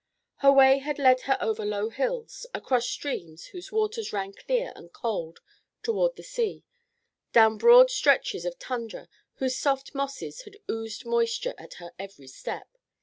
Her way had lead over low hills, across streams whose waters ran clear and cold toward the sea, down broad stretches of tundra whose soft mosses had oozed moisture at her every step.